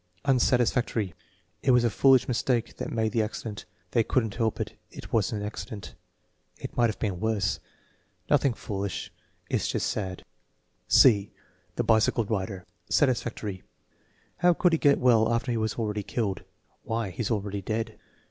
Unsatisfactory. "It was a foolish mistake that made the acci dent." "They could n't help it. It was an accident" "It might have been worse." "Nothing foolish; it's just sad," (e) The bicycle rider Satisfactory. "How could he get well after he was already killed?" "Why, he's already dead."